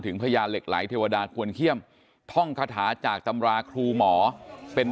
ถึงพระยาลเหล็กไหลเทวดาตรวนเคียมท่องคาถาจากตำราครูหมอเป็น